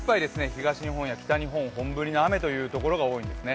東日本や北日本、本降りの雨のところが多いですね。